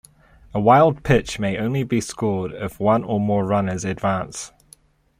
A wild pitch may only be scored if one or more runners advance.